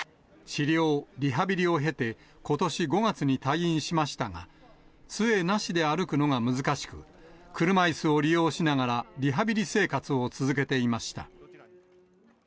治療、リハビリを経て、ことし５月に退院しましたが、つえなしで歩くのが難しく、車いすを利用しながら、リハビリ生活を続けていました。